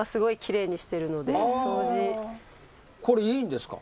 これいいんですか？